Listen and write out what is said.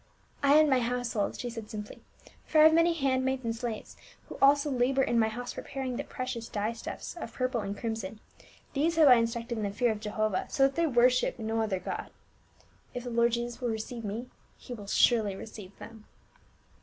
"I and my household," she said simply, "for I have many hand maids and slaves, who also labor in my house preparing the precious d) o stuffs of purple IN PHILIPPT. 821 and crimson, these have I instructed in the fear of Jehovah, so that they worship no other god. If the Lord Jesus will receive me, he will surely receive them."